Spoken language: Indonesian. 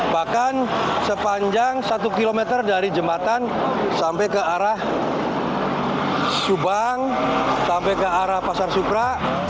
bahkan sepanjang satu km dari jembatan sampai ke arah subang sampai ke arah pasar supra